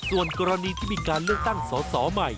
ส่วนกรณีที่มีการเลือกตั้งสอสอใหม่